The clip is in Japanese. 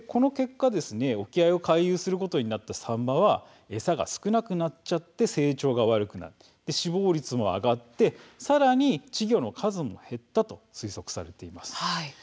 沖合を回遊することになったサンマは餌が少ないため成長が悪化して死亡率も上がってさらに稚魚も減少したと推測されています。